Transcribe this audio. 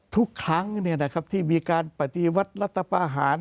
ทุกครั้งที่มีการปฏิวัฒนธ์รัฐภาภาร